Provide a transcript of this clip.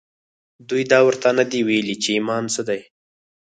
دوی دا ورته نه دي ویلي چې ایمان څه دی